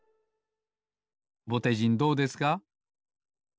ぼてじんどうですか？